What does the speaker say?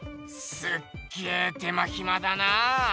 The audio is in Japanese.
すっげえ手間ひまだな。